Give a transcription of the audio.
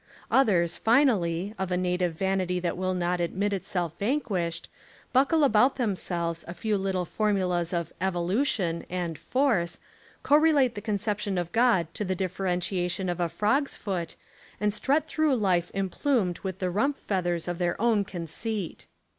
Others, finally, of a native vanity that will not admit itself vanquished, buckle about them selves a few little formulas of "evolution" and "force," co relate the conception of God to the differentiation of a frog's foot, and strut through life emplumed with the rump feathers of their own conceit.